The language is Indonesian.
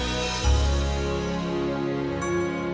jangan lupa berhati hati